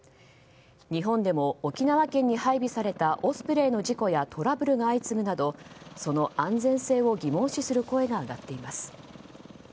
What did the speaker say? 日本でも沖縄県に配備されたオスプレイの事故やトラブルが相次ぐなどその安全性を疑問視する声が上がっています。